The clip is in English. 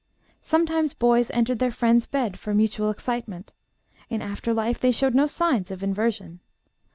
Sometimes boys entered their friend's bed for mutual excitement. In after life they showed no signs of inversion.